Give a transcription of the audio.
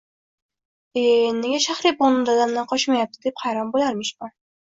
E, nega Shahribonu dadamdan qochmayapti, deb hayron bo‘larmishman.